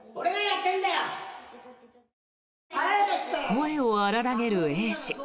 声を荒らげるＡ氏。